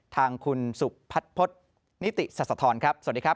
ทางคุณสุบพัดพจนิติศัตริย์สะทอนครับสวัสดีครับ